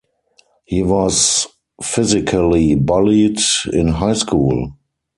He was physically bullied in high school.